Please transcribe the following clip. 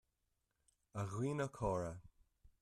A dhaoine córa,